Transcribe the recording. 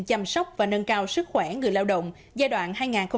chăm sóc và nâng cao sức khỏe người lao động giai đoạn hai nghìn hai mươi hai hai nghìn ba mươi